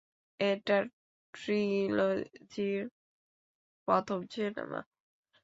এটা ট্রিলজির প্রথম সিনেমা।